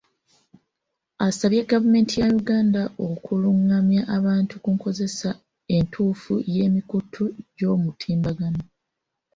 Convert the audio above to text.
Asabye gavumenti ya Uganda okulungamya abantu ku nkozesa entuufu ey'emikutu gy'omutimbagano.